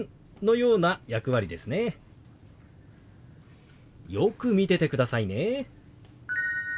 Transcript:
よく見ててくださいね。